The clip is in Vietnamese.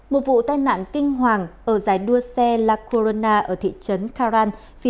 một vụ tai nạn kinh hoàng ở giải đua xe la corona ở thị trấn caran